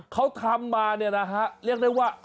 เขาทำมันนะฮะเรียกได้ว่า